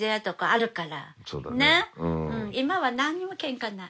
今は何にもケンカない。